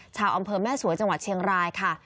ชาวอำเภอแม่สวยจังหวัดเชียงรายค่ะ